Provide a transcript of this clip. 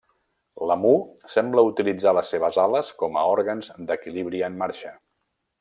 L'emú sembla utilitzar les seves ales com a òrgans d'equilibri en marxa.